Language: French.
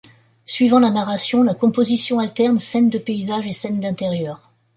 Suivant la narration, la composition alterne scènes de paysage et scènes d’intérieur.